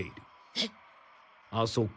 えっ？あそこ。